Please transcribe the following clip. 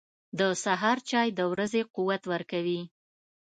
• د سهار چای د ورځې قوت ورکوي.